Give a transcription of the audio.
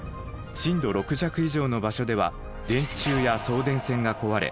震度６弱以上の場所では電柱や送電線が壊れ